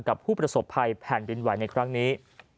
ผู้ประสบภัยแผ่นดินไหวในครั้งนี้